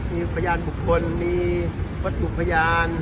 มีประยานบุคคลวัตถุประยาน